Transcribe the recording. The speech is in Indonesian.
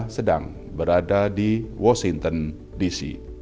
sedang berada di washington dc